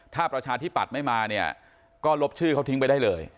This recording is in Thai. ถ้าประชาธิปัตย์ไม่มาเนี่ยก็ลบชื่อเขาทิ้งไปได้เลย